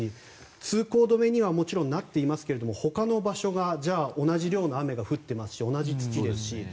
通行止めにはもちろんなっていますが他の場所が同じ量の雨が降っていますし同じ土ですし。